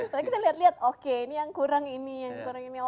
tapi kita lihat lihat oke ini yang kurang ini yang kurang ini